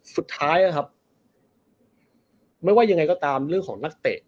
สุดท้ายนะครับไม่ว่ายังไงก็ตามเรื่องของนักเตะ